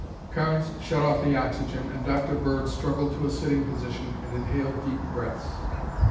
Carnes shut off the oxygen and Dr. Bird struggled to a sitting position and inhaled deep breaths.